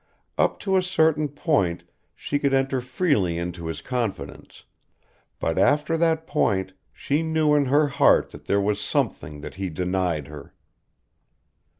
Up to a certain point she could enter freely into his confidence, but after that point she knew in her heart that there was something that he denied her.